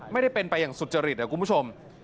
ไม่ได้เป็นไปอย่างสุจริตนะคุณผู้ชม